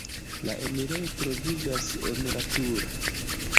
La enirejo troviĝas en la turo.